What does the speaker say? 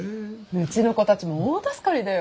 うちの子たちも大助かりだよ。